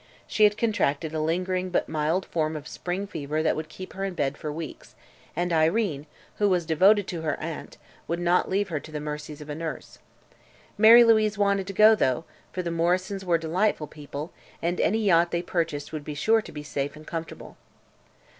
She had contracted a lingering but mild form of spring fever that would keep her in bed for weeks, and Irene, who was devoted to her aunt, would not leave her to the mercies of a nurse. Mary Louise wanted to go, though, for the Morrisons were delightful people and any yacht they purchased would be sure to be safe and comfortable.